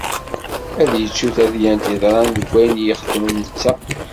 Ad yettu tadyant iḍṛan d wayen yexdem netta.